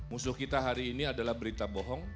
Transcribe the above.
musuh kita hari ini adalah berita bohong